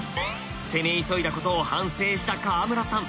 攻め急いだことを反省した川村さん。